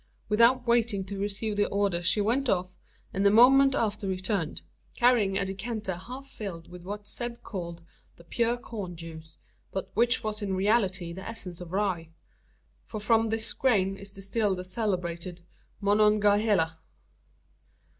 Without waiting to receive the order she went off, and the moment after returned, carrying a decanter half filled with what Zeb called the "pure corn juice," but which was in reality the essence of rye for from this grain is distilled the celebrated "Monongahela."